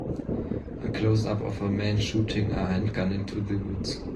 A closeup of a man shooting a handgun into the woods.